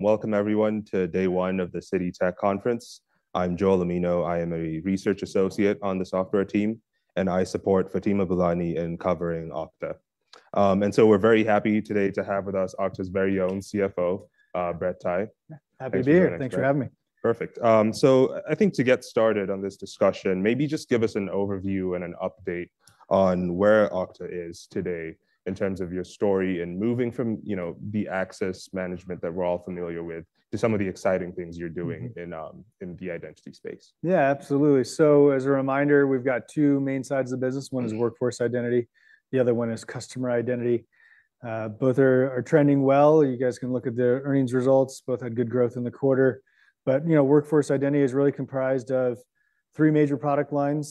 Welcome everyone to day one of the Citi Tech Conference. I'm Joel Omino. I am a Research Associate on the software team, and I support Fatima Boolani in covering Okta. And so we're very happy today to have with us Okta's very own CFO, Brett Tighe. Yeah. Happy to be here. Thanks for joining us, Brett. Thanks for having me. Perfect. So I think to get started on this discussion, maybe just give us an overview and an update on where Okta is today in terms of your story and moving from, you know, the Access Management that we're all familiar with, to some of the exciting things you're doing- Mm-hmm. -in, in the identity space. Yeah, absolutely. So as a reminder, we've got two main sides of the business- Mm-hmm. One is Workforce Identity, the other one is customer identity. Both are trending well. You guys can look at the earnings results. Both had good growth in the quarter. But, you know, Workforce Identity is really comprised of three major product lines.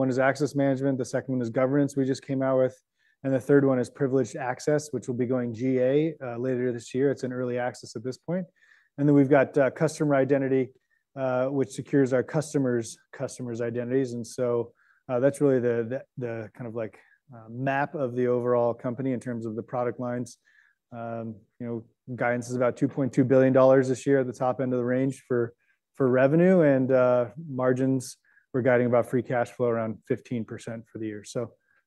One is Access Management, the second one is Governance we just came out with, and the third one is Privileged Access, which will be going GA later this year. It's in early access at this point. And then we've got customer identity, which secures our customers, customers' identities. And so, that's really the kind of like map of the overall company in terms of the product lines. You know, guidance is about $2.2 billion this year, at the top end of the range for revenue and margins. We're guiding about free cash flow around 15% for the year.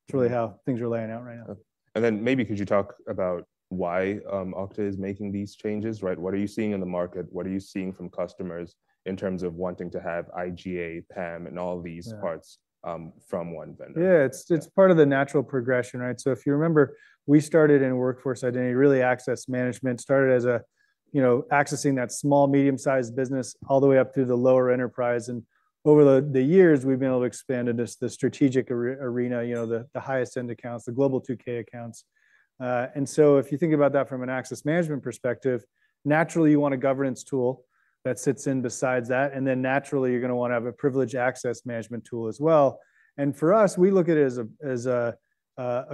It's really how things are playing out right now. Then maybe could you talk about why Okta is making these changes, right? What are you seeing in the market? What are you seeing from customers in terms of wanting to have IGA, PAM, and all these- Yeah. -parts, from one vendor? Yeah, it's part of the natural progression, right? So if you remember, we started in Workforce Identity, really Access Management. Started as a, you know, accessing that small, medium-sized business all the way up through the lower enterprise, and over the years, we've been able to expand into the strategic arena, you know, the highest end accounts, the Global 2000 accounts. And so if you think about that from an Access Management perspective, naturally, you want a Governance tool that sits beside that, and then naturally, you're gonna want to have a privileged Access Management tool as well. And for us, we look at it as a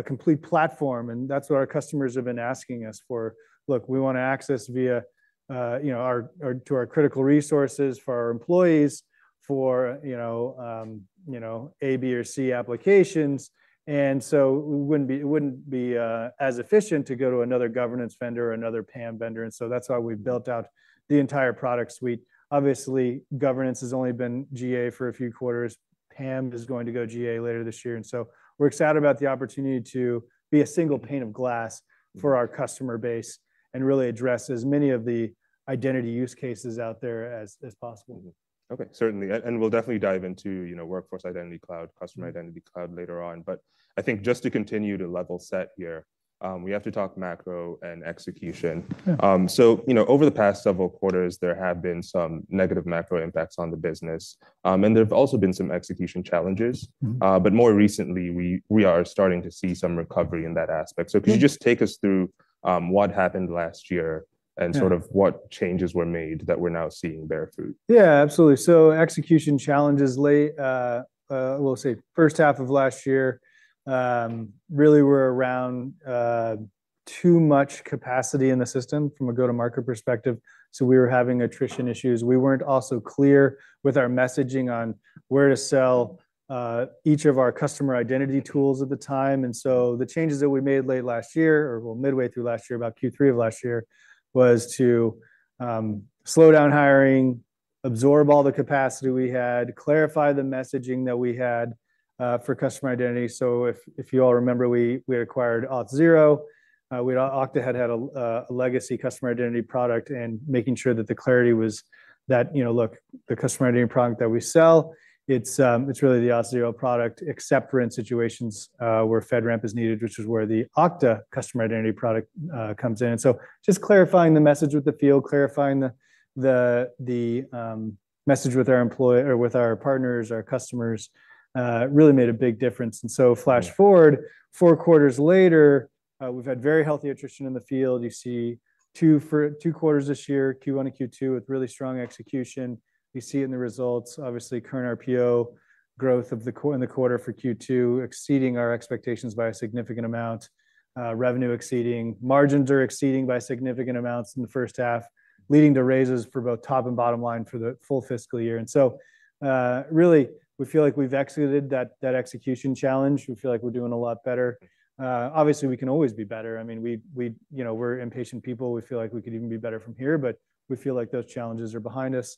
complete platform, and that's what our customers have been asking us for. "Look, we want to access via, you know, our, our... to our critical resources for our employees, for, you know, you know, A, B, or C applications." And so we wouldn't be, it wouldn't be, as efficient to go to another Governance vendor or another PAM vendor, and so that's why we've built out the entire product suite. Obviously, Governance has only been GA for a few quarters. PAM is going to go GA later this year, and so we're excited about the opportunity to be a single pane of glass for our customer base and really address as many of the identity use cases out there as possible. Mm-hmm. Okay, certainly. And we'll definitely dive into, you know, Workforce Identity Cloud, Customer- Mm-hmm -Identity Cloud later on. But I think just to continue to level set here, we have to talk macro and execution. Yeah. So, you know, over the past several quarters, there have been some negative macro impacts on the business. And there have also been some execution challenges. Mm-hmm. But more recently, we are starting to see some recovery in that aspect. Yeah. So could you just take us through what happened last year? Yeah. And sort of what changes were made that we're now seeing bear fruit? Yeah, absolutely. So execution challenges late, we'll say first half of last year, really were around too much capacity in the system from a go-to-market perspective, so we were having attrition issues. We weren't also clear with our messaging on where to sell each of our customer identity tools at the time. And so the changes that we made late last year, or well, midway through last year, about Q3 of last year, was to slow down hiring, absorb all the capacity we had, clarify the messaging that we had for customer identity. So if you all remember, we acquired Auth0. We at Okta had had a legacy customer identity product, and making sure that the clarity was that, you know, look, the customer identity product that we sell, it's really the Auth0 product, except for in situations where FedRAMP is needed, which is where the Okta customer identity product comes in. And so just clarifying the message with the field, clarifying the message with our employer or with our partners, our customers really made a big difference. Yeah. And so flash forward four quarters later, we've had very healthy attrition in the field. You see two for two quarters this year, Q1 and Q2, with really strong execution. You see it in the results. Obviously, current RPO growth in the quarter for Q2 exceeding our expectations by a significant amount. Revenue exceeding. Margins are exceeding by significant amounts in the first half, leading to raises for both top and bottom line for the full fiscal year. And so, really, we feel like we've executed that execution challenge. We feel like we're doing a lot better. Obviously, we can always be better. I mean, we, you know, we're impatient people. We feel like we could even be better from here, but we feel like those challenges are behind us.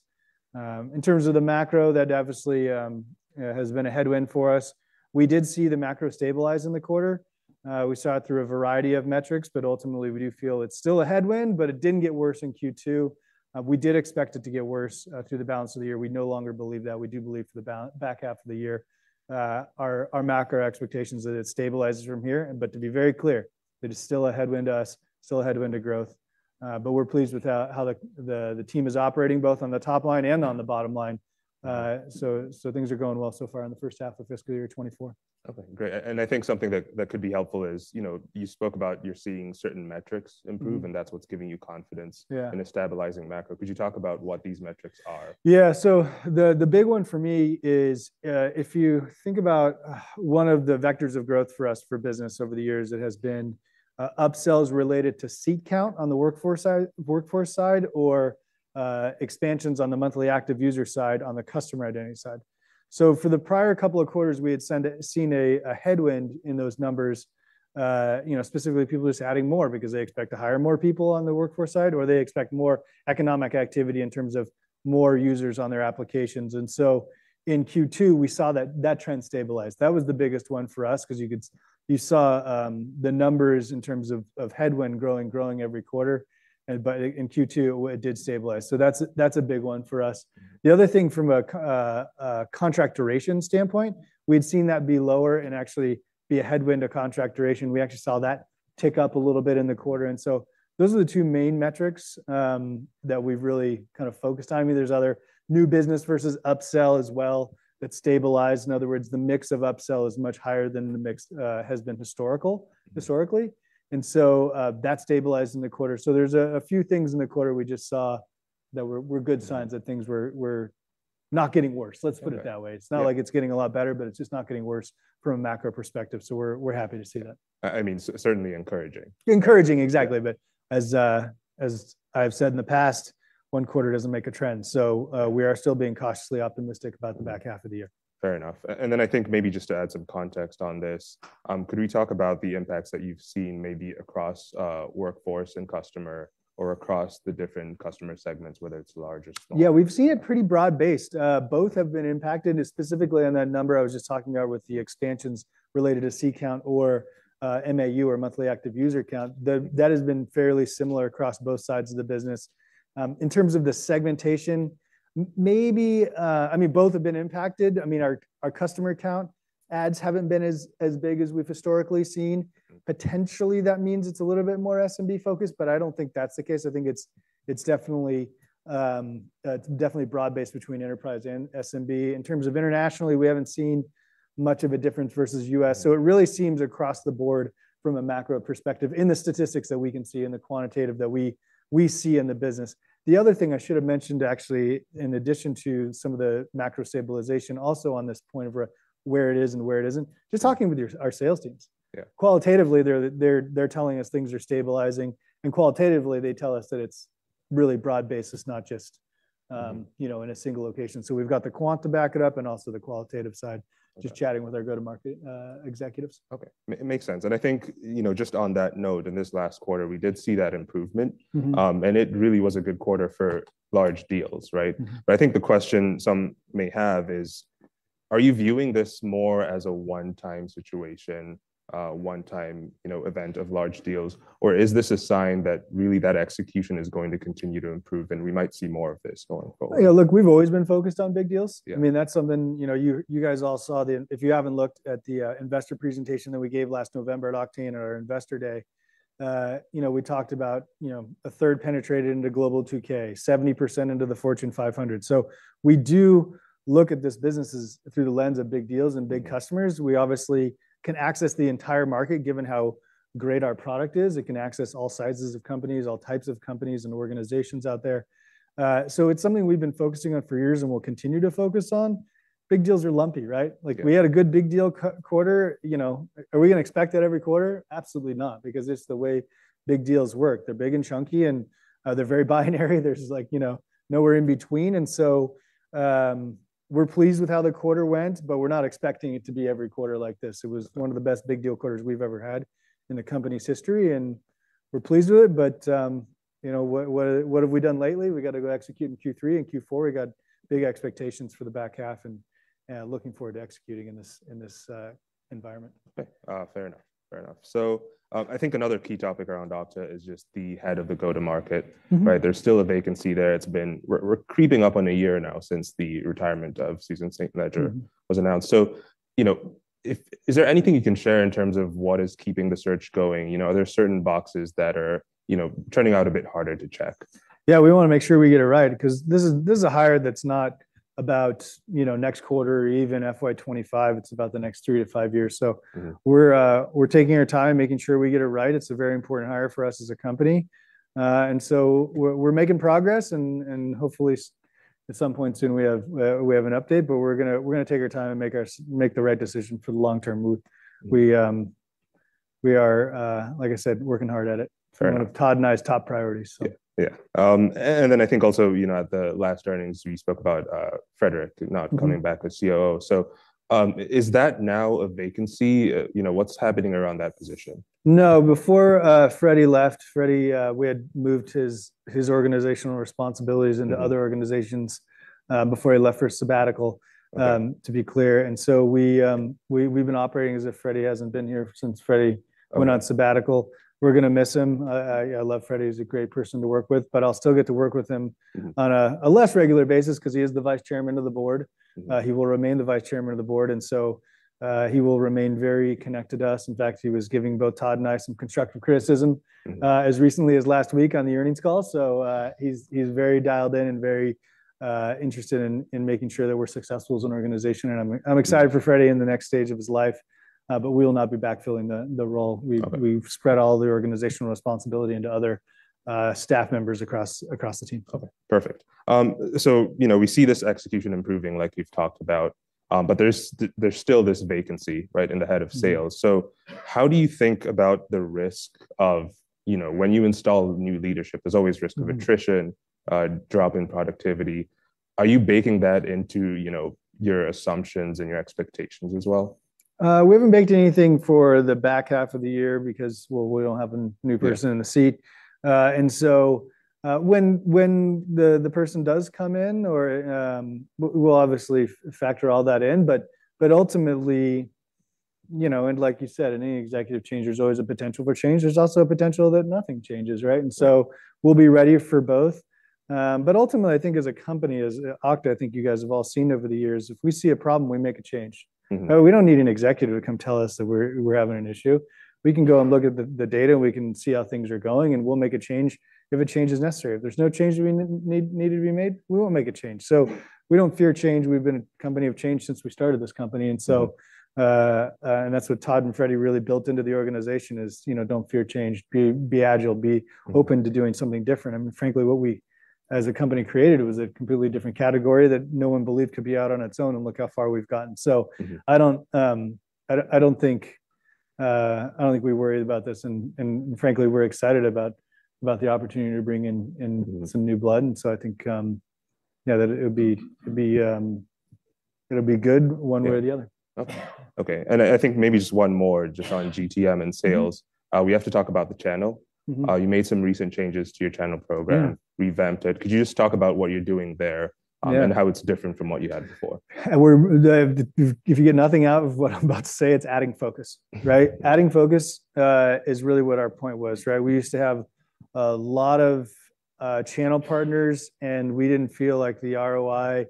In terms of the macro, that obviously has been a headwind for us. We did see the macro stabilize in the quarter. We saw it through a variety of metrics, but ultimately, we do feel it's still a headwind, but it didn't get worse in Q2. We did expect it to get worse through the balance of the year. We no longer believe that. We do believe for the back half of the year, our macro expectations, that it stabilizes from here. But to be very clear, it is still a headwind to us, still a headwind to growth. But we're pleased with how the team is operating, both on the top line and on the bottom line. Mm-hmm. So things are going well so far in the first half of fiscal year 2024. Okay, great. And I think something that, that could be helpful is, you know, you spoke about you're seeing certain metrics improve- Mm-hmm. And that's what's giving you confidence- Yeah In a stabilizing macro. Could you talk about what these metrics are? Yeah. So the big one for me is, if you think about, one of the vectors of growth for us for business over the years, it has been, upsells related to seat count on the workforce side, workforce side, or, expansions on the monthly active user side, on the customer identity side. So for the prior couple of quarters, we had seen a, a headwind in those numbers. You know, specifically people just adding more because they expect to hire more people on the workforce side, or they expect more economic activity in terms of more users on their applications. And so in Q2, we saw that, that trend stabilize. That was the biggest one for us, 'cause you saw, the numbers in terms of, of headwind growing, growing every quarter. And but in Q2, it did stabilize. So that's, that's a big one for us. The other thing from a contract duration standpoint, we'd seen that be lower and actually be a headwind to contract duration. We actually saw that tick up a little bit in the quarter, and so those are the two main metrics that we've really kind of focused on. I mean, there's other new business versus upsell as well, that stabilized. In other words, the mix of upsell is much higher than the mix has been historically. And so that stabilized in the quarter. So there's a few things in the quarter we just saw that were good signs. Yeah. - that things were not getting worse. Okay. Let's put it that way. Yeah. It's not like it's getting a lot better, but it's just not getting worse from a macro perspective, so we're, we're happy to see that. I mean, certainly encouraging. Encouraging, exactly. Yeah. As I've said in the past, one quarter doesn't make a trend, so we are still being cautiously optimistic about the back half of the year. Fair enough. And then, I think maybe just to add some context on this, could we talk about the impacts that you've seen maybe across, workforce and customer or across the different customer segments, whether it's large or small? Yeah, we've seen it pretty broad-based. Both have been impacted, and specifically on that number I was just talking about with the expansions related to CIC count or MAU, or Monthly Active User count. That has been fairly similar across both sides of the business. In terms of the segmentation, I mean, both have been impacted. I mean, our customer count adds haven't been as big as we've historically seen. Mm. Potentially, that means it's a little bit more SMB focused, but I don't think that's the case. I think it's definitely broad-based between enterprise and SMB. In terms of internationally, we haven't seen much of a difference versus U.S. Mm. So it really seems across the board from a macro perspective, in the statistics that we can see and the quantitative that we see in the business. The other thing I should have mentioned, actually, in addition to some of the macro stabilization, also on this point of where it is and where it isn't, just talking with our sales teams. Yeah. Qualitatively, they're telling us things are stabilizing, and qualitatively, they tell us that it's really broad-based, it's not just- Mm-hmm.... you know, in a single location. So we've got the quant to back it up and also the qualitative side- Okay. ... just chatting with our go-to-market executives. Okay. It makes sense. And I think, you know, just on that note, in this last quarter, we did see that improvement. Mm-hmm. It really was a good quarter for large deals, right? Mm-hmm. But I think the question some may have is: Are you viewing this more as a one-time situation, one-time, you know, event of large deals? Or is this a sign that really that execution is going to continue to improve, and we might see more of this going forward? Yeah, look, we've always been focused on big deals. Yeah. I mean, that's something, you know, you, you guys all saw the... If you haven't looked at the, investor presentation that we gave last November at Oktane or Investor Day, you know, we talked about, you know, a third penetrated into Global 2000, 70% into the Fortune 500. So we do look at this business as, through the lens of big deals and big customers. Mm. We obviously can access the entire market, given how great our product is. It can access all sizes of companies, all types of companies and organizations out there. So it's something we've been focusing on for years and will continue to focus on. Big deals are lumpy, right? Yeah. Like, we had a good big deal quarter. You know, are we gonna expect that every quarter? Absolutely not, because it's the way big deals work. They're big and chunky, and they're very binary. There's, like, you know, nowhere in between. And so, we're pleased with how the quarter went, but we're not expecting it to be every quarter like this. It was one of the best big deal quarters we've ever had in the company's history, and we're pleased with it, but, you know, what have we done lately? We got to go execute in Q3 and Q4. We got big expectations for the back half, and looking forward to executing in this environment. Okay, fair enough. Fair enough. So, I think another key topic around Okta is just the head of the go-to-market. Mm-hmm. Right? There's still a vacancy there. It's been... We're creeping up on a year now since the retirement of Susan St. Ledger- Mm-hmm... was announced. So, you know, is there anything you can share in terms of what is keeping the search going? You know, are there certain boxes that are, you know, turning out a bit harder to check? Yeah, we wanna make sure we get it right, 'cause this is, this is a hire that's not about, you know, next quarter or even FY 2025. It's about the next three to five years. Mm-hmm. So we're taking our time, making sure we get it right. It's a very important hire for us as a company. And so we're making progress, and hopefully at some point soon, we have an update. But we're gonna take our time and make our... make the right decision for the long-term move. Mm. We are, like I said, working hard at it. Fair enough. One of Todd and I's top priorities, so. Yeah, yeah. And then, I think, also, you know, at the last earnings, we spoke about, Frederic not- Mm-hmm... coming back as COO. So, is that now a vacancy? You know, what's happening around that position? No. Before Freddy left, Freddy, we had moved his, his organizational responsibilities- Mm.... into other organizations, before he left for sabbatical. Okay. To be clear, and so we've been operating as if Freddy hasn't been here since Freddy- Okay.... went on sabbatical. We're gonna miss him. I love Freddy. He's a great person to work with, but I'll still get to work with him- Mm-hmm.... on a less regular basis 'cause he is the Vice Chairman of the Board. Mm-hmm. He will remain the Vice Chairman of the Board, and so, he will remain very connected to us. In fact, he was giving both Todd and I some constructive criticism- Mm-hmm.... as recently as last week on the earnings call. So, he's very dialed in and very interested in making sure that we're successful as an organization. Mm-hmm. I'm excited for Freddy in the next stage of his life, but we will not be backfilling the role. Okay. We've spread all the organizational responsibility into other staff members across the team. Okay, perfect. So, you know, we see this execution improving, like we've talked about, but there's still this vacancy, right? In the head of sales. Mm. So how do you think about the risk of... You know, when you install new leadership, there's always risk of attrition- Mm.... drop in productivity. Are you baking that into, you know, your assumptions and your expectations as well? We haven't baked anything for the back half of the year because, well, we don't have a new person- Yeah. In the seat. And so, when the person does come in, we'll obviously factor all that in. But ultimately, you know, and like you said, any executive change, there's always a potential for change. There's also a potential that nothing changes, right? Yeah. And so we'll be ready for both. But ultimately, I think as a company, as Okta, I think you guys have all seen over the years, if we see a problem, we make a change. Mm-hmm. We don't need an executive to come tell us that we're having an issue. Yeah. We can go and look at the data, and we can see how things are going, and we'll make a change if a change is necessary. If there's no change we need to be made, we won't make a change. So we don't fear change. We've been a company of change since we started this company. Mm-hmm. And so, that's what Todd and Freddy really built into the organization is, you know, don't fear change, be agile, be- Mm-hmm.... open to doing something different. I mean, frankly, what we, as a company, created was a completely different category that no one believed could be out on its own, and look how far we've gotten. Mm-hmm. So I don't think we worry about this, and frankly, we're excited about the opportunity to bring in. Mm-hmm.... some new blood. And so I think, yeah, that it would be, it'd be, it'll be good one way or the other. Yeah. Okay. Okay, and I think maybe just one more just on GTM and sales. Mm-hmm. We have to talk about the channel. Mm-hmm. You made some recent changes to your channel program- Mm-hmm.... revamped it. Could you just talk about what you're doing there- Yeah.... and how it's different from what you had before? If you get nothing out of what I'm about to say, it's adding focus, right? Mm-hmm. Adding focus is really what our point was, right? We used to have a lot of channel partners, and we didn't feel like the ROI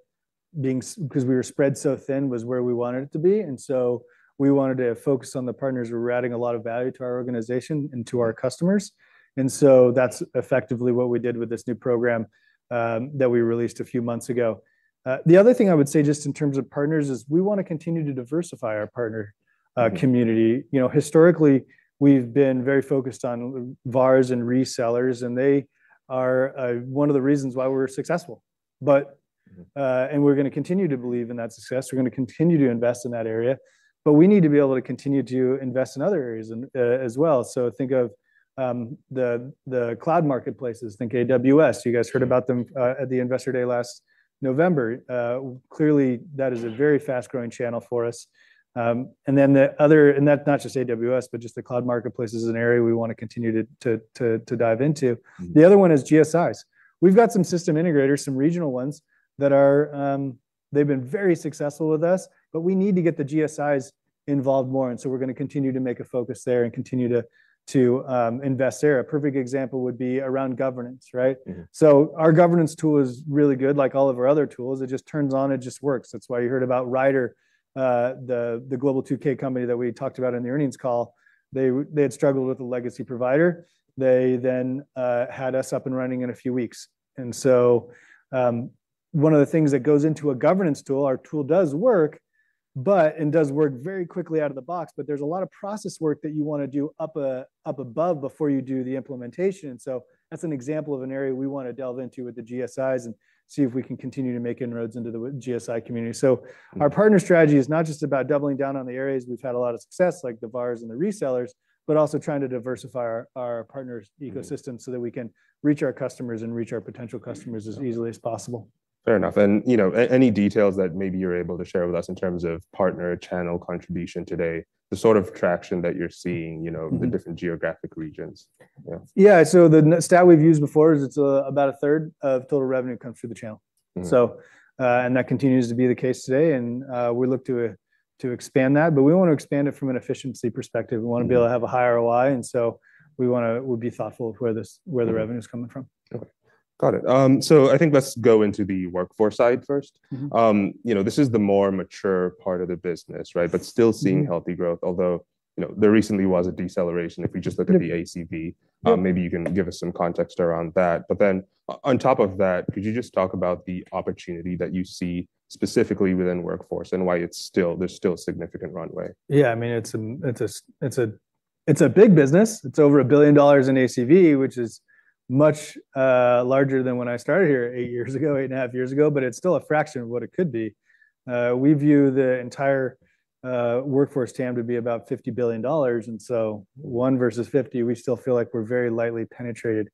being so because we were spread so thin was where we wanted it to be. And so we wanted to focus on the partners who were adding a lot of value to our organization and to our customers. And so that's effectively what we did with this new program that we released a few months ago. The other thing I would say, just in terms of partners, is we want to continue to diversify our partner- Mm-hmm.... community. You know, historically, we've been very focused on VARs and resellers, and they are, one of the reasons why we're successful. But- Mm-hmm.... and we're going to continue to believe in that success. We're going to continue to invest in that area, as well. So think of the cloud marketplaces. Think AWS, you guys heard about them- Yeah.... at the Investor Day last November. Clearly, that is a very fast-growing channel for us. That's not just AWS, but just the cloud marketplace is an area we want to continue to dive into. Mm-hmm. The other one is GSIs. We've got some system integrators, some regional ones, that are. They've been very successful with us, but we need to get the GSIs involved more, and so we're going to continue to make a focus there and continue to invest there. A perfect example would be around Governance, right? Mm-hmm. So our Governance tool is really good, like all of our other tools. It just turns on, it just works. That's why you heard about Ryder, the Global 2000 company that we talked about on the earnings call. They had struggled with a legacy provider. They then had us up and running in a few weeks. And so, one of the things that goes into a Governance tool, our tool does work, but and does work very quickly out of the box, but there's a lot of process work that you want to do up, up above before you do the implementation. So that's an example of an area we want to delve into with the GSIs and see if we can continue to make inroads into the GSI community. Mm-hmm. So our partner strategy is not just about doubling down on the areas we've had a lot of success, like the VARs and the resellers, but also trying to diversify our partners' ecosystem. Mm-hmm.... so that we can reach our customers and reach our potential customers as easily as possible. Fair enough. And you know, any details that maybe you're able to share with us in terms of partner channel contribution today, the sort of traction that you're seeing, you know? Mm-hmm.... the different geographic regions? Yeah. Yeah. So the stat we've used before is it's about a third of total revenue comes through the channel. Mm-hmm. So, and that continues to be the case today, and we look to expand that. But we want to expand it from an efficiency perspective. Mm-hmm. We want to be able to have a high ROI, and so we want to, we'll be thoughtful of where this- Mm-hmm.... where the revenue is coming from. Okay. Got it. So I think let's go into the workforce side first. Mm-hmm. You know, this is the more mature part of the business, right? Mm-hmm. But still seeing healthy growth. Although, you know, there recently was a deceleration- Mm-hmm.... if we just look at the ACV. Mm-hmm. Maybe you can give us some context around that. But then on top of that, could you just talk about the opportunity that you see specifically within Workforce and why it's still, there's still significant runway? Yeah. I mean, it's a big business. It's over $1 billion in ACV, which is much larger than when I started here eight years ago, 8.5 years ago, but it's still a fraction of what it could be. We view the entire workforce TAM to be about $50 billion, and so one versus 50, we still feel like we're very lightly penetrated.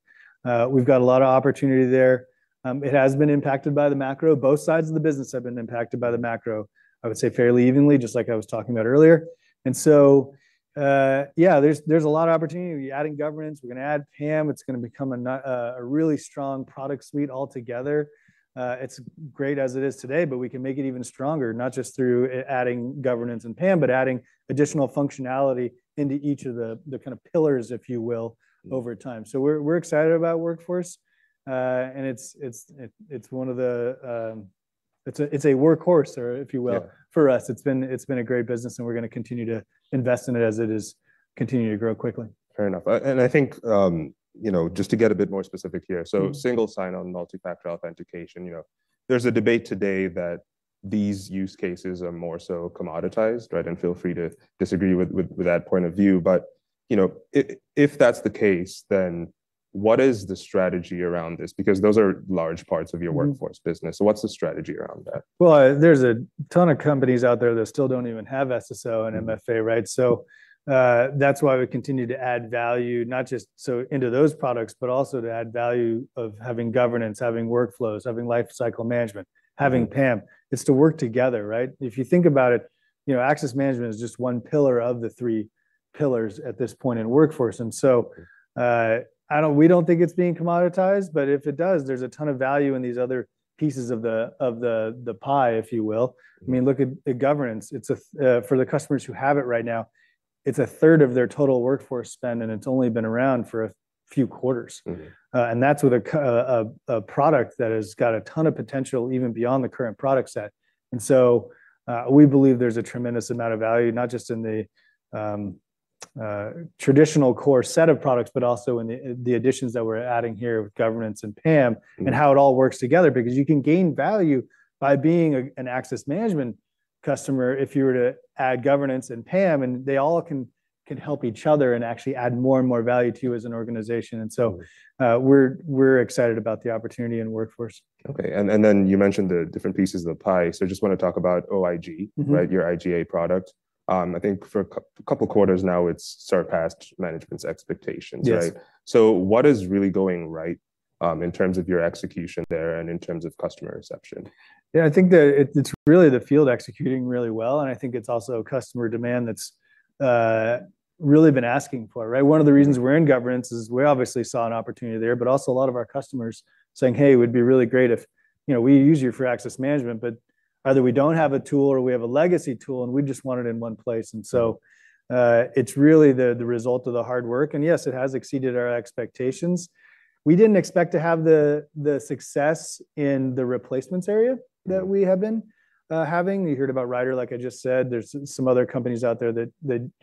We've got a lot of opportunity there. It has been impacted by the macro. Both sides of the business have been impacted by the macro, I would say fairly evenly, just like I was talking about earlier. And so, yeah, there's a lot of opportunity. We're adding Governance, we're going to add PAM. It's going to become a really strong product suite altogether. It's great as it is today, but we can make it even stronger, not just through adding Governance and PAM, but adding additional functionality into each of the, the kind of pillars, if you will, over time. Mm-hmm. So we're excited about Workforce. And it's one of the... It's a workhorse, if you will- Yeah.... for us. It's been, it's been a great business, and we're going to continue to invest in it as it is continuing to grow quickly. Fair enough. I think, you know, just to get a bit more specific here- Mm-hmm.... so Single Sign-On and Multi-Factor Authentication, you know, there's a debate today that these use cases are more so commoditized, right? And feel free to disagree with that point of view. But, you know, if that's the case, then... What is the strategy around this? Because those are large parts of your workforce- Mm-hmm. business. So what's the strategy around that? Well, there's a ton of companies out there that still don't even have SSO and MFA, right? So, that's why we continue to add value, not just SSO into those products, but also to add value of having Governance, having Workflows, having Lifecycle Management- Mm-hmm. Having PAM. It's to work together, right? If you think about it, you know, Access Management is just one pillar of the three pillars at this point in workforce. And so, I don't, we don't think it's being commoditized, but if it does, there's a ton of value in these other pieces of the pie, if you will. Mm-hmm. I mean, look at Governance. For the customers who have it right now, it's a third of their total workforce spend, and it's only been around for a few quarters. Mm-hmm. And that's a product that has got a ton of potential, even beyond the current product set. And so, we believe there's a tremendous amount of value, not just in the traditional core set of products, but also in the additions that we're adding here with Governance and PAM- Mm-hmm. And how it all works together. Because you can gain value by being an Access Management customer, if you were to add Governance and PAM, and they all can help each other and actually add more and more value to you as an organization. Mm-hmm. We're excited about the opportunity and workforce. Okay. And then you mentioned the different pieces of the pie. So I just want to talk about OIG- Mm-hmm. Right? Your IGA product. I think for a couple quarters now, it's surpassed management's expectations, right? Yes. So what is really going right, in terms of your execution there and in terms of customer reception? Yeah, I think it's really the field executing really well, and I think it's also customer demand that's really been asking for it, right? Mm-hmm. One of the reasons we're in Governance is we obviously saw an opportunity there, but also a lot of our customers saying, "Hey, it would be really great if, you know, we use you for Access Management, but either we don't have a tool or we have a legacy tool, and we just want it in one place. Mm-hmm. And so, it's really the result of the hard work. And yes, it has exceeded our expectations. We didn't expect to have the success in the replacements area- Mm-hmm. that we have been having. You heard about Ryder, like I just said, there's some other companies out there that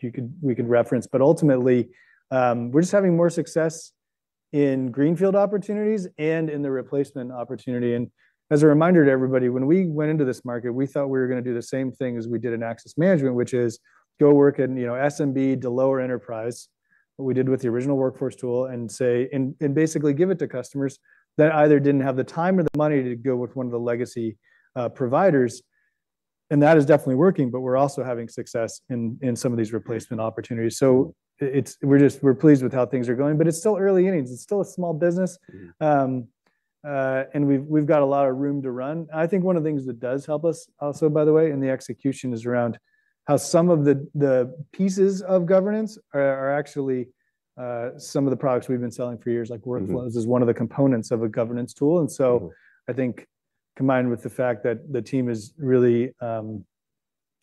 you could, we could reference. But ultimately, we're just having more success in greenfield opportunities and in the replacement opportunity. And as a reminder to everybody, when we went into this market, we thought we were gonna do the same thing as we did in Access Management, which is go work in, you know, SMB to lower enterprise. What we did with the original workforce tool and say... And basically give it to customers that either didn't have the time or the money to go with one of the legacy providers, and that is definitely working, but we're also having success in some of these replacement opportunities. Mm-hmm. So, it's. We're just pleased with how things are going, but it's still early innings. It's still a small business. Mm-hmm. And we've got a lot of room to run. I think one of the things that does help us also, by the way, in the execution, is around how some of the pieces of Governance are actually some of the products we've been selling for years- Mm-hmm.... like workflows, is one of the components of a Governance tool. Mm-hmm. And so I think combined with the fact that the team is really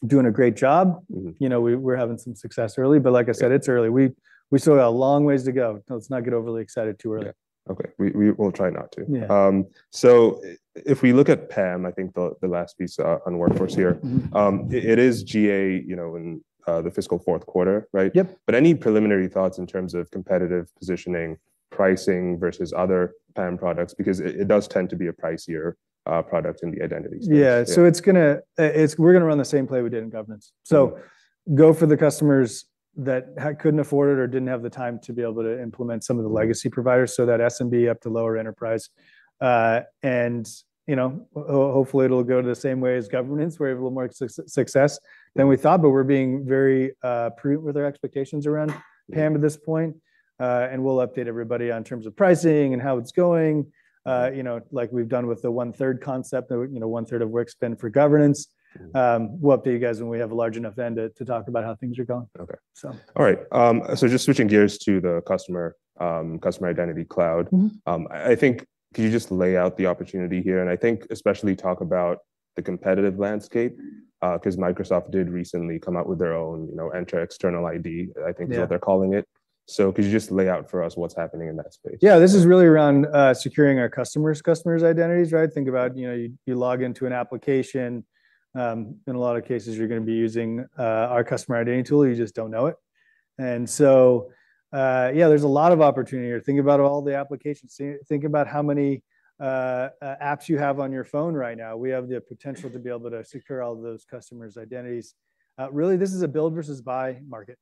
doing a great job. Mm-hmm... you know, we, we're having some success early, but like I said- Yeah.... it's early. We, we still got a long ways to go. Let's not get overly excited too early. Yeah. Okay, we'll try not to. Yeah. So, if we look at PAM, I think the last piece on the workforce here- Mm-hmm.... it is GA, you know, in the fiscal fourth quarter, right? Yep. But any preliminary thoughts in terms of competitive positioning, pricing versus other PAM products? Because it, it does tend to be a pricier product in the identity space. Yeah. Yeah. So it's gonna. We're gonna run the same play we did in Governance. Mm-hmm. So go for the customers that couldn't afford it or didn't have the time to be able to implement some of the legacy providers, so that SMB up to lower enterprise. And, you know, hopefully, it'll go the same way as Governance, where we have a little more success than we thought. Mm-hmm. But we're being very prudent with our expectations around- Yeah. PAM at this point. And we'll update everybody on terms of pricing and how it's going, you know, like we've done with the one-third concept, you know, one-third of work spend for Governance. Mm-hmm. We'll update you guys when we have a large enough end to talk about how things are going. Okay. So. All right. So just switching gears to the customer, Customer Identity Cloud. Mm-hmm. I think, could you just lay out the opportunity here? And I think, especially talk about the competitive landscape- Mm-hmm... 'cause Microsoft did recently come out with their own, you know, Entra External ID, I think- Yeah. Is what they're calling it. Could you just lay out for us what's happening in that space? Yeah, this is really around securing our customers' identities, right? Think about, you know, you log into an application. In a lot of cases, you're gonna be using our customer identity tool, you just don't know it. And so, yeah, there's a lot of opportunity here. Think about all the applications, think about how many apps you have on your phone right now. We have the potential to be able to secure all those customers' identities. Really, this is a build versus buy market.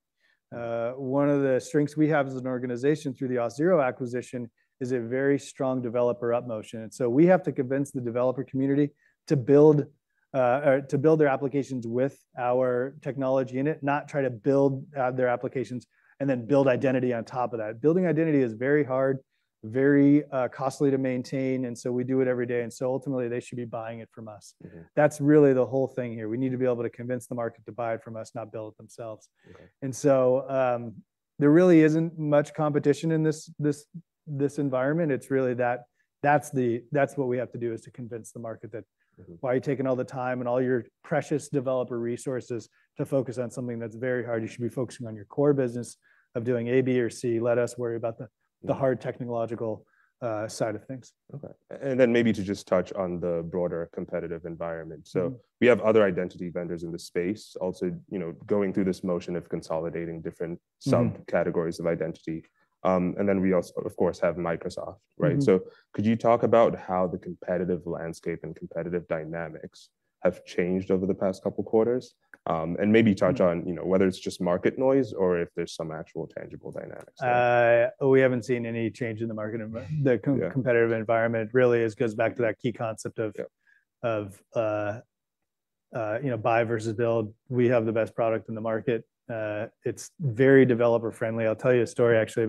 One of the strengths we have as an organization through the Auth0 acquisition is a very strong developer up motion. And so we have to convince the developer community to build or to build their applications with our technology in it, not try to build their applications and then build identity on top of that. Building identity is very hard, very costly to maintain, and so we do it every day, and so ultimately, they should be buying it from us. Mm-hmm. That's really the whole thing here. We need to be able to convince the market to buy it from us, not build it themselves. Okay. And so, there really isn't much competition in this environment. It's really that that's what we have to do, is to convince the market that- Mm-hmm.... why are you taking all the time and all your precious developer resources to focus on something that's very hard? You should be focusing on your core business of doing A, B, or C. Let us worry about the- Mm-hmm. The hard technological side of things. Okay. And then maybe to just touch on the broader competitive environment. Mm-hmm. We have other identity vendors in this space also, you know, going through this motion of consolidating different- Mm-hmm. -subcategories of identity. And then we also, of course, have Microsoft, right? Mm-hmm. Could you talk about how the competitive landscape and competitive dynamics have changed over the past couple quarters? And maybe touch on- Mm-hmm. You know, whether it's just market noise or if there's some actual tangible dynamics there. We haven't seen any change in the market envi- Yeah.... the competitive environment. It really, it goes back to that key concept of- Yeah.... of, you know, buy versus build, we have the best product in the market. It's very developer-friendly. I'll tell you a story, actually,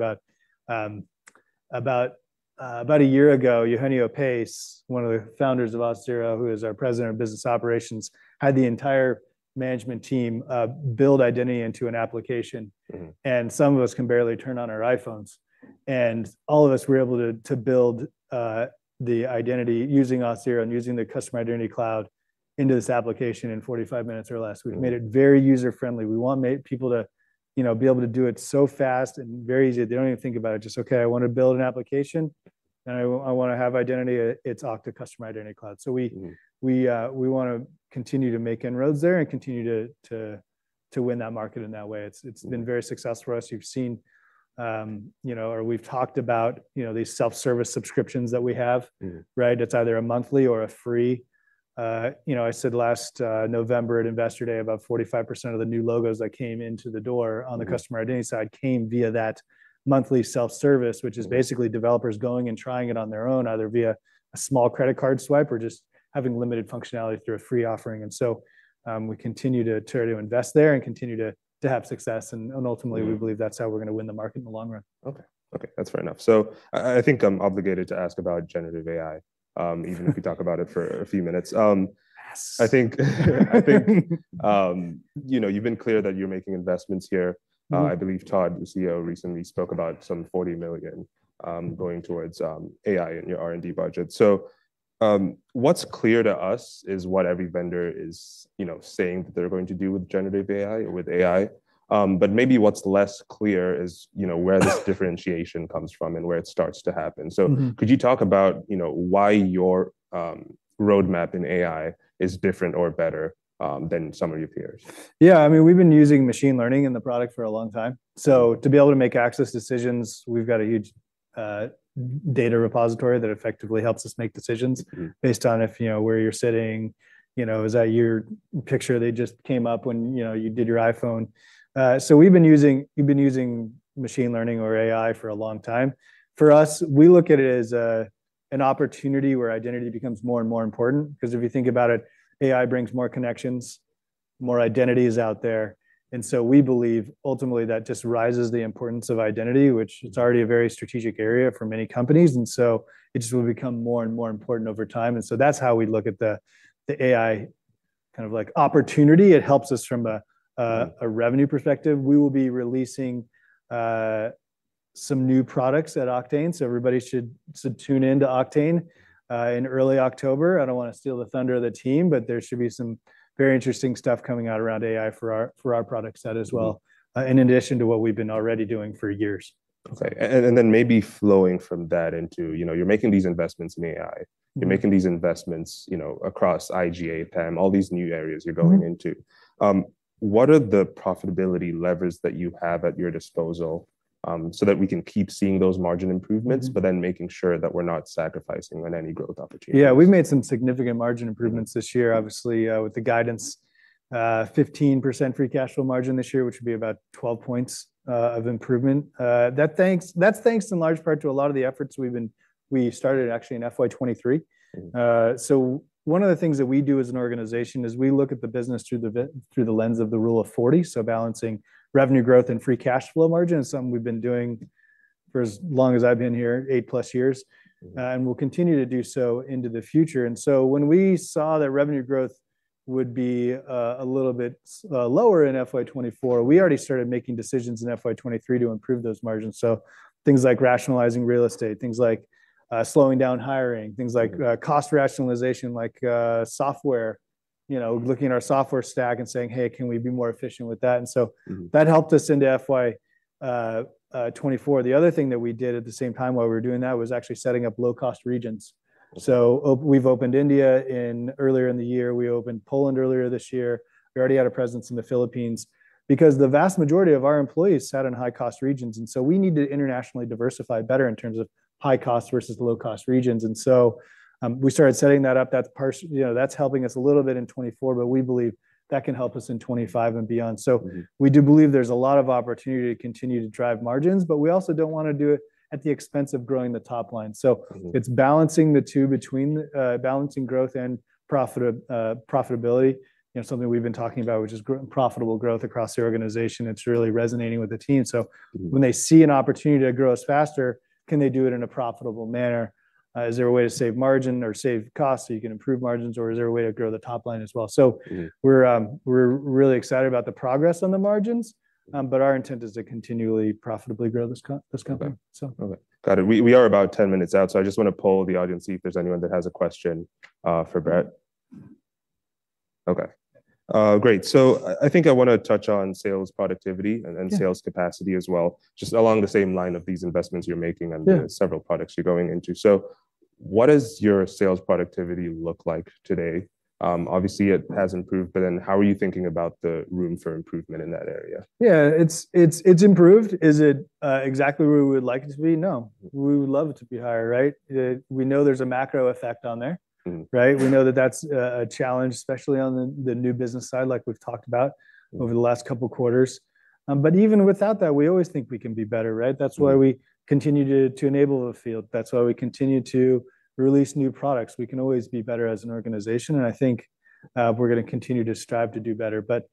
about a year ago, Eugenio Pace, one of the founders of Auth0, who is our president of business operations, had the entire management team build identity into an application. Mm-hmm. And some of us can barely turn on our iPhones. And all of us were able to build the identity using Auth0 and using the Customer Identity Cloud into this application in 45 minutes or less. Mm. We've made it very user-friendly. We want people to, you know, be able to do it so fast and very easy. They don't even think about it, just, "Okay, I want to build an application, and I want to have identity," it's Okta Customer Identity Cloud. Mm. So we want to continue to make inroads there and continue to win that market in that way. Mm. It's been very successful for us. You've seen, you know, or we've talked about, you know, these self-service subscriptions that we have. Mm. Right? It's either a monthly or a free. You know, I said last November at Investor Day, about 45% of the new logos that came into the door- Mm.... on the customer identity side, came via that monthly self-service. Mm. Which is basically developers going and trying it on their own, either via a small credit card swipe or just having limited functionality through a free offering. And so, we continue to invest there and continue to have success. Mm. Ultimately, we believe that's how we're going to win the market in the long run. Okay. Okay, that's fair enough. So I, I think I'm obligated to ask about generative AI, even if we talk about it for a few minutes. Yes! I think, I think, you know, you've been clear that you're making investments here. Mm-hmm. I believe Todd, the CEO, recently spoke about some $40 million going towards AI in your R&D budget. So, what's clear to us is what every vendor is, you know, saying that they're going to do with generative AI or with AI. But maybe what's less clear is, you know, where this differentiation comes from and where it starts to happen. Mm-hmm. Could you talk about, you know, why your roadmap in AI is different or better than some of your peers? Yeah, I mean, we've been using machine learning in the product for a long time. So to be able to make access decisions, we've got a huge, data repository that effectively helps us make decisions- Mm-hmm.... based on if, you know, where you're sitting. You know, is that your picture that just came up when, you know, you did your iPhone? So we've been using, we've been using machine learning or AI for a long time. For us, we look at it as a, an opportunity where identity becomes more and more important. Because if you think about it, AI brings more connections, more identities out there. And so we believe, ultimately, that just rises the importance of identity, which- Mm.... it's already a very strategic area for many companies, and so it just will become more and more important over time. And so that's how we look at the AI, kind of, like, opportunity. It helps us from a revenue perspective. We will be releasing some new products at Oktane, so everybody should tune in to Oktane in early October. I don't want to steal the thunder of the team, but there should be some very interesting stuff coming out around AI for our product set as well- Mm-hmm.... in addition to what we've been already doing for years. Okay. And then maybe flowing from that into, you know, you're making these investments in AI. Mm. You're making these investments, you know, across IGA, PAM, all these new areas you're going into. Mm-hmm. What are the profitability levers that you have at your disposal, so that we can keep seeing those margin improvements? Mm-hmm.... but then making sure that we're not sacrificing on any growth opportunities? Yeah, we've made some significant margin improvements- Mm.... this year, obviously, with the guidance, 15% free cash flow margin this year, which would be about 12 points of improvement. That thanks, that's thanks in large part to a lot of the efforts we've been-- we started, actually, in FY 2023. Mm. So one of the things that we do as an organization is, we look at the business through the lens of the rule of 40. So balancing revenue growth and free cash flow margin is something we've been doing for as long as I've been here, eight-plus years. Mm. And we'll continue to do so into the future. And so when we saw that revenue growth would be a little bit lower in FY 2024, we already started making decisions in FY 2023 to improve those margins. So things like rationalizing real estate, things like slowing down hiring, things like- Mm..... cost rationalization, like, software. You know, looking at our software stack and saying, "Hey, can we be more efficient with that?" And so- Mm-hmm... that helped us into FY 2024. The other thing that we did at the same time, while we were doing that, was actually setting up low-cost regions. Okay. So, we've opened India earlier in the year, we opened Poland earlier this year. We already had a presence in the Philippines. Because the vast majority of our employees sat in high-cost regions, and so we need to internationally diversify better in terms of high-cost versus low-cost regions. And so, we started setting that up. That's part... You know, that's helping us a little bit in 2024, but we believe that can help us in 2025 and beyond. Mm-hmm. So we do believe there's a lot of opportunity to continue to drive margins, but we also don't want to do it at the expense of growing the top line. Mm-hmm. So it's balancing the two between balancing growth and profitability. You know, something we've been talking about, which is profitable growth across the organization. It's really resonating with the team. Mm-hmm. So when they see an opportunity to grow us faster, can they do it in a profitable manner? Is there a way to save margin or save costs, so you can improve margins, or is there a way to grow the top line as well? Mm-hmm. We're really excited about the progress on the margins, but our intent is to continually profitably grow this company. Okay. So. Okay. Got it. We are about 10 minutes out, so I just want to poll the audience, see if there's anyone that has a question for Brett. Okay. Great. So I think I want to touch on sales productivity- Yeah.... and sales capacity as well, just along the same line of these investments you're making- Yeah.... and the several products you're going into. So what does your sales productivity look like today? Obviously, it has improved, but then how are you thinking about the room for improvement in that area? Yeah, it's improved. Is it exactly where we would like it to be? No. We would love it to be higher, right? We know there's a macro effect on there. Mm. Right? We know that that's a challenge, especially on the new business side, like we've talked about- Mm.... over the last couple of quarters. But even without that, we always think we can be better, right? That's why we continue to, to enable the field. That's why we continue to release new products. We can always be better as an organization, and I think, we're gonna continue to strive to do better. But,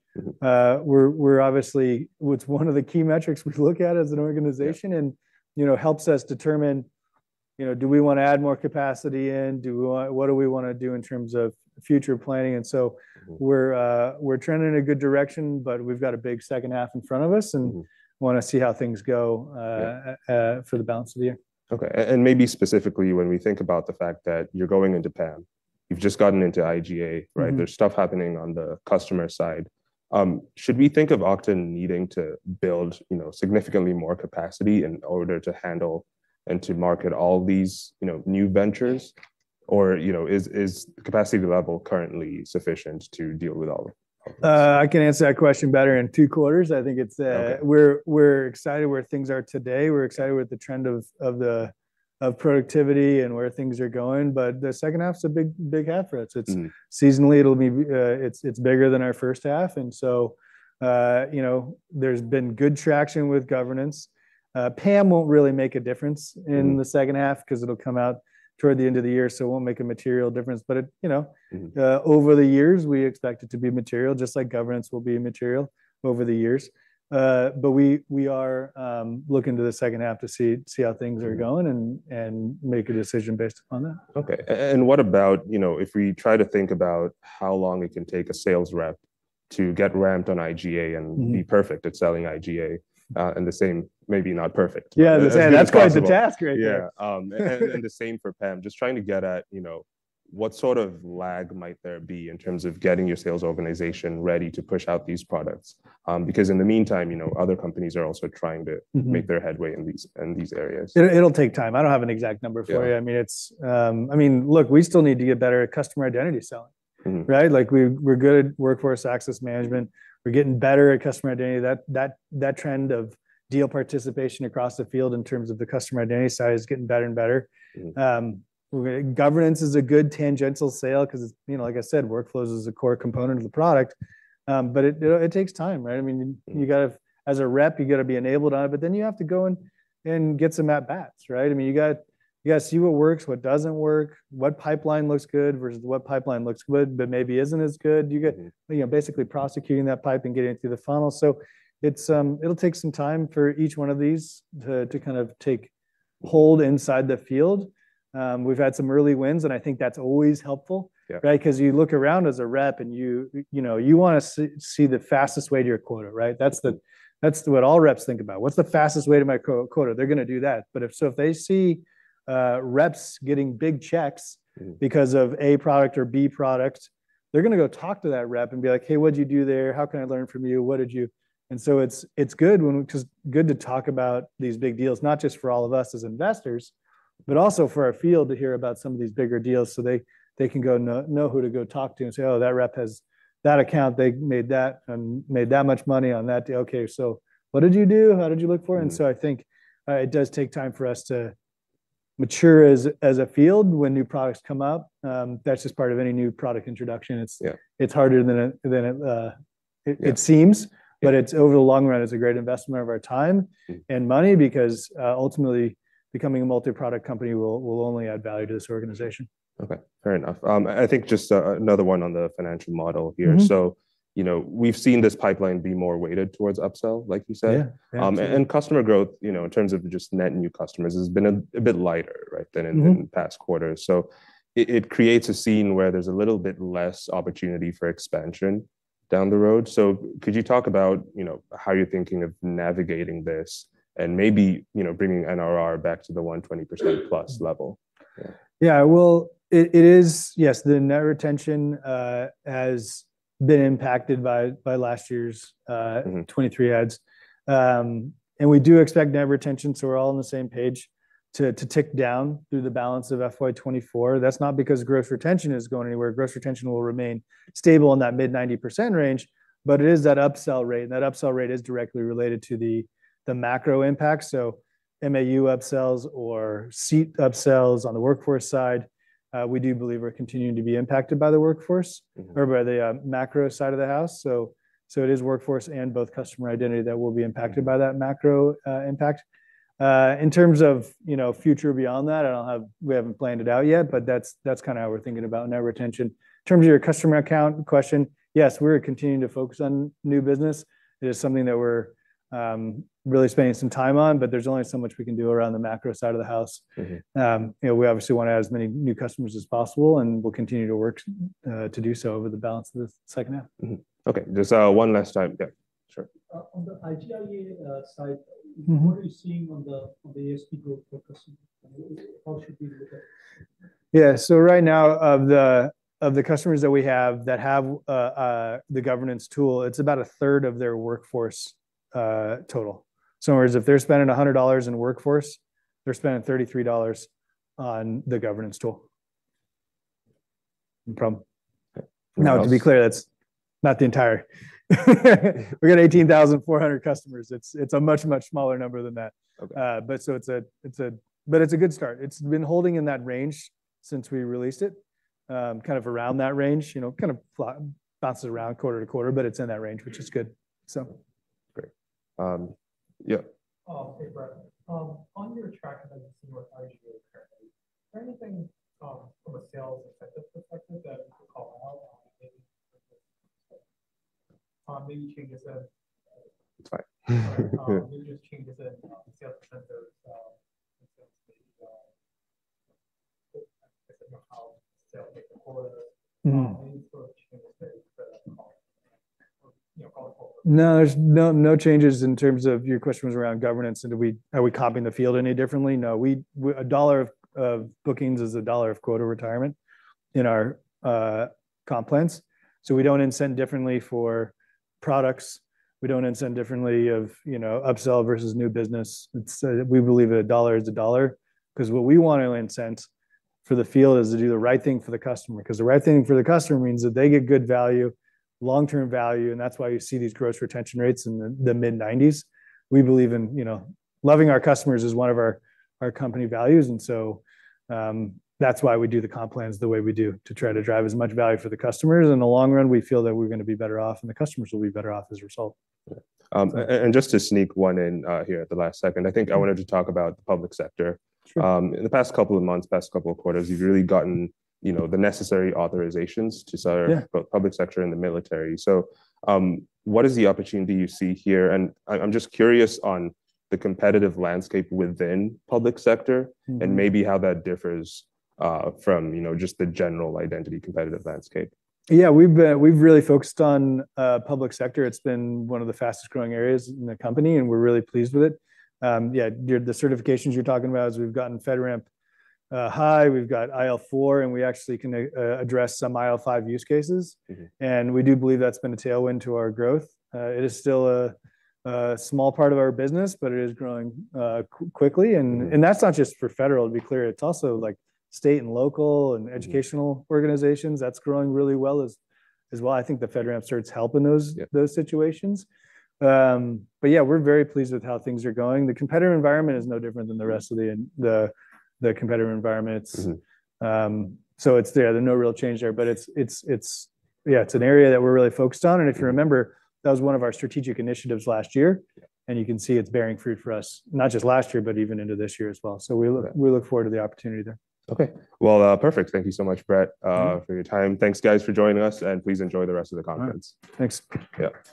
we're, we're obviously- Well, it's one of the key metrics we look at as an organization- Yeah. And, you know, helps us determine, you know, do we wanna add more capacity in, what do we wanna do in terms of future planning? And so- Mm-hmm. We're trending in a good direction, but we've got a big second half in front of us. Mm-hmm. And wanna see how things go. Yeah.... for the balance of the year. Okay. And maybe specifically when we think about the fact that you're going into PAM, you've just gotten into IGA, right? Mm-hmm. There's stuff happening on the customer side. Should we think of Okta needing to build, you know, significantly more capacity in order to handle and to market all these, you know, new ventures? Or, you know, is the capacity level currently sufficient to deal with all of this? I can answer that question better in two quarters. I think it's. Okay. We're excited where things are today. We're excited with the trend of productivity and where things are going. But the second half is a big, big half for us. Mm-hmm. It's seasonally, it'll be, it's bigger than our first half. And so, you know, there's been good traction with Governance. PAM won't really make a difference- Mm. In the second half, 'cause it'll come out toward the end of the year, so it won't make a material difference. But, you know- Mm-hmm.... over the years, we expect it to be material, just like Governance will be material over the years. But we are looking to the second half to see how things are going- Mm.... and make a decision based upon that. Okay. What about, you know, if we try to think about how long it can take a sales rep to get ramped on IGA? Mm-hmm.... and be perfect at selling IGA, and the same, maybe not perfect. Yeah, the same. As possible. That's quite the task right there. Yeah, and the same for PAM. Just trying to get at, you know, what sort of lag might there be in terms of getting your sales organization ready to push out these products? Because in the meantime, you know, other companies are also trying to- Mm-hmm.... make their headway in these, in these areas. It'll take time. I don't have an exact number for you. Yeah. I mean, it's, I mean, look, we still need to get better at customer identity selling. Mm-hmm. Right? Like, we're good at Workforce Access Management. We're getting better at customer identity. That trend of deal participation across the field in terms of the customer identity side is getting better and better. Mm. Governance is a good tangential sale, 'cause, you know, like I said, Workflows is a core component of the product. But it, you know, it takes time, right? I mean- Mm... you gotta, as a rep, you gotta be enabled on it, but then you have to go and get some at bats, right? I mean, you gotta, you gotta see what works, what doesn't work, what pipeline looks good versus what pipeline looks good, but maybe isn't as good. Mm. You get, you know, basically prosecuting that pipe and getting it through the funnel. So it's, it'll take some time for each one of these to kind of take hold inside the field. We've had some early wins, and I think that's always helpful. Yeah. Right? 'Cause you look around as a rep, and you, you know, you wanna see the fastest way to your quota, right? That's the, that's what all reps think about. What's the fastest way to my quota? They're gonna do that. But if, so if they see, reps getting big checks- Mm.... because of A product or B product, they're gonna go talk to that rep and be like: "Hey, what'd you do there? How can I learn from you? What did you..." And so it's good when, 'cause good to talk about these big deals, not just for all of us as investors, but also for our field to hear about some of these bigger deals, so they can go and know who to go talk to and say, "Oh, that rep has that account. They made that much money on that deal. Okay, so what did you do? How did you look for it? Mm-hmm. I think it does take time for us to mature as a field when new products come out. That's just part of any new product introduction. Yeah. It's harder than it. Yeah... it seems. Yeah. But it's, over the long run, it's a great investment of our time- Mm.... and money, because ultimately, becoming a multi-product company will only add value to this organization. Okay, fair enough. I think just, another one on the financial model here. Mm-hmm. You know, we've seen this pipeline be more weighted towards upsell, like you said. Yeah, yeah. Customer growth, you know, in terms of just net new customers, has been a bit lighter, right? Mm-hmm. Then in the past quarters. So it creates a scenario where there's a little bit less opportunity for expansion down the road. So could you talk about, you know, how you're thinking of navigating this and maybe, you know, bringing NRR back to the 120%+ level? Yeah. Yeah, well, it is... Yes, the net retention has been impacted by last year's, Mm-hmm... 23 adds. And we do expect net retention, so we're all on the same page, to tick down through the balance of FY 2024. That's not because gross retention is going anywhere. Gross retention will remain stable in that mid-90% range, but it is that upsell rate, and that upsell rate is directly related to the macro impact. So MAU upsells or seat upsells on the workforce side, we do believe we're continuing to be impacted by the workforce- Mm-hmm.... or by the, macro side of the house. So it is workforce and both customer identity that will be impacted- Mm.... by that macro impact. In terms of, you know, future beyond that, I don't have—we haven't planned it out yet, but that's, that's kinda how we're thinking about net retention. In terms of your customer account question, yes, we're continuing to focus on new business. It is something that we're really spending some time on, but there's only so much we can do around the macro side of the house. Mm-hmm. You know, we obviously want to add as many new customers as possible, and we'll continue to work to do so over the balance of the second half. Mm-hmm. Okay, just, one last time. Yeah, sure. On the IGA side- Mm-hmm.... what are you seeing on the ASP growth focusing? How should we look at it? Yeah, so right now, of the customers that we have that have the Governance tool, it's about a third of their workforce total. So whereas if they're spending $100 in workforce, they're spending $33 on the Governance tool. Any problem? Okay. Now, to be clear, that's not the entire. We've got 18,400 customers. It's, it's a much, much smaller number than that. Okay. But it's a good start. It's been holding in that range since we released it. Kind of around that range, you know, kind of bounces around quarter to quarter, but it's in that range, which is good. So- Great. Yeah? Oh, hey, Brett. On your track, I see your RGU currently. Is there anything, from a sales effective perspective that you could call out? Maybe changes in- It's fine. Maybe just changes in sales center, so..., Mm-hmm. No, there's no changes in terms of... Your question was around Governance, and do we—are we coaching the field any differently? No, we—a dollar of bookings is a dollar of quota retirement in our comp plans. So we don't incent differently for products, we don't incent differently for, you know, upsell versus new business. It's, we believe a dollar is a dollar, 'cause what we want to incent for the field is to do the right thing for the customer. Because the right thing for the customer means that they get good value, long-term value, and that's why you see these gross retention rates in the mid-90s. We believe in, you know, loving our customers is one of our company values, and so, that's why we do the comp plans the way we do, to try to drive as much value for the customers. In the long run, we feel that we're gonna be better off, and the customers will be better off as a result. Just to sneak one in, here at the last second, I think I wanted to talk about the public sector. Sure. In the past couple of months, past couple of quarters, you've really gotten, you know, the necessary authorizations to start- Yeah.... both public sector and the military. So, what is the opportunity you see here? And I'm just curious on the competitive landscape within public sector- Mm-hmm.... and maybe how that differs from, you know, just the general identity competitive landscape. Yeah, we've really focused on public sector. It's been one of the fastest growing areas in the company, and we're really pleased with it. Yeah, the certifications you're talking about is we've gotten FedRAMP High, we've got IL4, and we actually can address some IL5 use cases. Mm-hmm. We do believe that's been a tailwind to our growth. It is still a small part of our business, but it is growing quickly. Mm-hmm. And that's not just for federal, to be clear. It's also, like, state and local, and- Mm-hmm.... educational organizations. That's growing really well as well. I think the FedRAMP starts helping those- Yeah.... those situations. But yeah, we're very pleased with how things are going. The competitor environment is no different than the rest of the competitor environment. Mm-hmm. So, yeah, there's no real change there, but it's... Yeah, it's an area that we're really focused on. Mm-hmm. And if you remember, that was one of our strategic initiatives last year. Yeah. You can see it's bearing fruit for us, not just last year, but even into this year as well. We look- Okay.... we look forward to the opportunity there. Okay. Well, perfect. Thank you so much, Brett, for your time. Mm-hmm. Thanks, guys, for joining us, and please enjoy the rest of the conference. All right, thanks. Yeah.